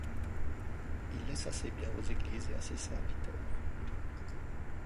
Il laissa ses biens aux églises et à ses serviteurs.